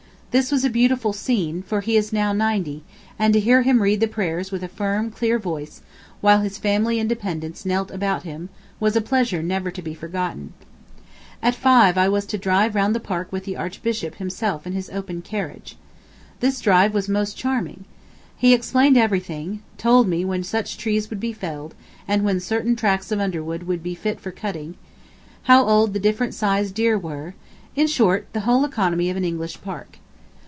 This was a beautiful scene, for he is now ninety, and to hear him read the prayers with a firm, clear voice, while his family and dependents knelt about him was a pleasure never to be forgotten. ... At five I was to drive round the park with the Archbishop himself in his open carriage. This drive was most charming. He explained everything, told me when such trees would be felled, and when certain tracts of underwood would be fit for cutting, how old the different sized deer were—in short, the whole economy of an English park.